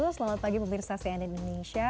selamat pagi pemirsa cnn indonesia